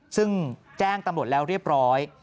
ซึ่งแจ้งตำรวจแล้วเรียบร้อย